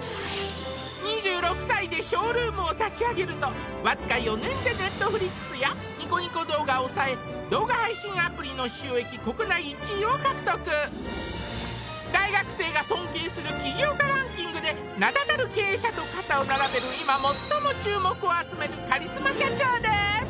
２６歳でＳＨＯＷＲＯＯＭを立ち上げるとわずか４年でＮｅｔｆｌｉｘやニコニコ動画をおさえ動画配信アプリの収益国内１位を獲得大学生が尊敬する起業家ランキングで名だたる経営者と肩を並べる今最も注目を集めるカリスマ社長です